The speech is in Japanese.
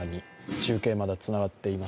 中継、まだつながっています。